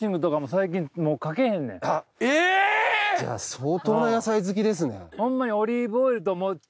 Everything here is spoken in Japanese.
相当な野菜好きですね。